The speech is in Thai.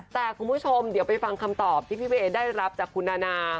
แต่คุณผู้ชมเดี๋ยวไปฟังคำตอบที่พี่เวย์ได้รับจากคุณนานา